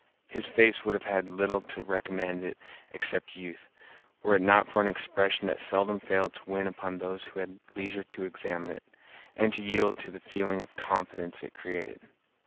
His face would have had little to recommend it except youth, were it not for an expression that seldom failed to win upon those who had leisure to examine it, and to yield to the feeling of confidence it created.